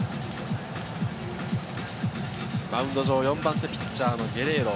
マウンド上４番手ピッチャーのゲレーロ。